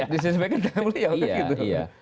di sisi mereka tidak beliau